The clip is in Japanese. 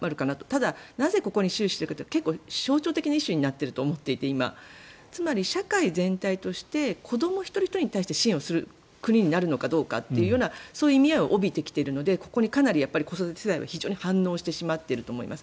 ただ、なぜここに終始しているかというと結構、象徴的なイシューになっていると思っていてつまり、社会全体として子ども一人ひとりに支援する国になるのかどうかというそういう意味合いを帯びてきているのでここに子育て世代は非常に反応してしまっていると思います。